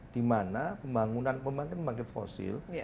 di mana pembangunan pembangkit pembangkit fosil